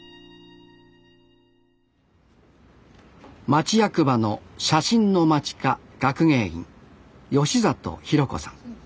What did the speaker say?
町役場の写真の町課学芸員里演子さん